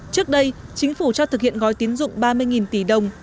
trước đây chính phủ cho thực hiện gói tín dụng ba mươi tỷ đồng